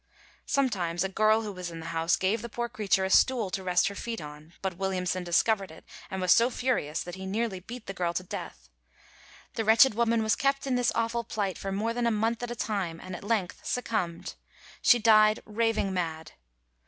Sometimes a girl who was in the house gave the poor creature a stool to rest her feet on, but Williamson discovered it, and was so furious that he nearly beat the girl to death. The wretched woman was kept in this awful plight for more than a month at a time, and at length succumbed. She died raving mad.